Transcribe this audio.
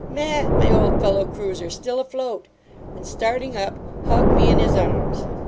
Matt, my old fellow cruizer, still afloat!' And, starting up, hugged me in his arms.